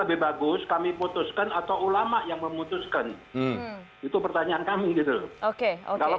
lebih bagus kami putuskan atau ulama yang memutuskan itu pertanyaan kami gitu loh oke kalau